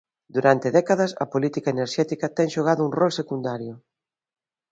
Durante décadas a política enerxética ten xogado un rol secundario.